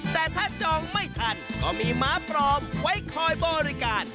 แต่ถ้าจองไม่ทันก็มีม้าปลอมไว้คอยบริการ